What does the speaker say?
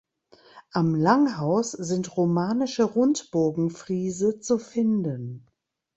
Am Langhaus sind romanische Rundbogenfriese zu finden.